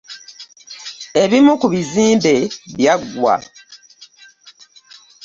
Ebimu ku bizimbe byaggwa.